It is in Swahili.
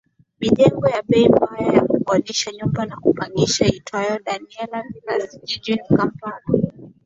mijengo ya bei mbaya ya kukodisha nyumba ya kupangisha iitwayo Daniella Villas jijini Kampala